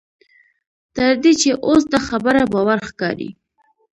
تر دې چې اوس دا خبره باوري ښکاري.